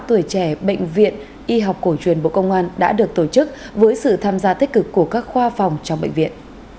tuổi trẻ bệnh viện y học cổ truyền bộ công an đã được tổ chức với sự tham gia tích cực của các khoa phòng trong bệnh viện